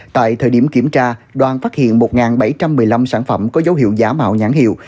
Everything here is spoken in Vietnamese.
tại thời điểm kiểm tra đoàn phát hiện một bảy trăm một mươi năm sản phẩm có dấu hiệu giả mạo nhãn hiệu